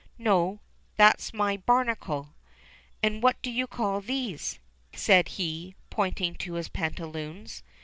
"No, that's my 'barnacle.' And what do you call these ?" said he, pointing to his pantaloons.